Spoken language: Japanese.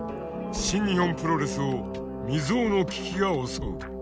新日本プロレスを未曽有の危機が襲う。